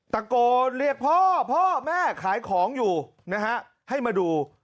ตะโกนเรียกพ่อพ่อแม่ขายของอยู่นะฮะให้มาดู